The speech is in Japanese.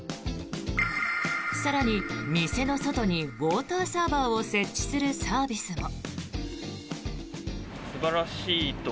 更に、店の外にウォーターサーバーを設置するサービスも。